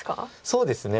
そうですね。